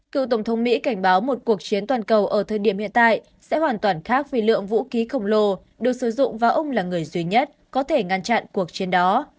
cựu tổng thống mỹ cảnh báo một cuộc chiến toàn cầu ở thời điểm hiện tại sẽ hoàn toàn khác vì lượng vũ khí khổng lồ được sử dụng và ông là người duy nhất có thể ngăn chặn cuộc chiến đó